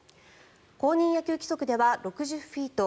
公認野球規則では６０フィート